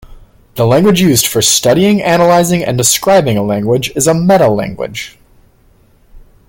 The language used for studying, analyzing, and describing a language is a "metalanguage".